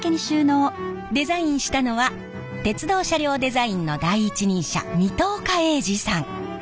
デザインしたのは鉄道車両デザインの第一人者水戸岡鋭治さん。